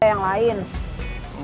ada yang lain